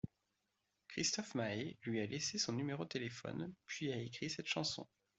Christophe Maé lui a laissé son numéro de téléphone, puis a écrit cette chanson.